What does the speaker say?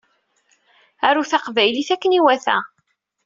Arut taqbaylit akken iwata!